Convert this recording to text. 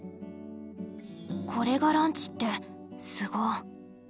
これがランチってすご。